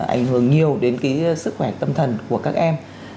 ảnh hưởng nhiều đến sức khỏe tâm thần của các em